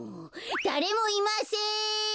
だれもいません！